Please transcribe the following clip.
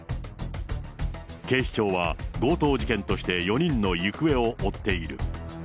警視庁は、強盗事件として４人の行方を追っている。